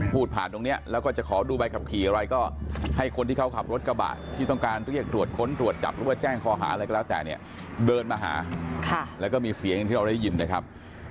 พูดผ่านตรงนี้แล้วก็จะขอดูใบขับขี่อะไรก็ให้คนที่เขาขับรถกระบะที่ต้องการเรียกตรวจค้นตรวจจับหรือว่าแจ้งคอหาอะไรก็แล้วแต่เนี่ยเดินมาหาแล้วก็มีเสียงอย่างที่เราได้ยินนะครับ